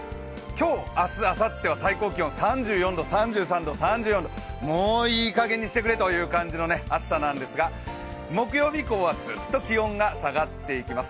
今日、明日、あさっては最高気温、３３度、３４度ともういい加減にしてくれという感じの暑さなんですが、木曜日以降はずっと気温が下がっていきます。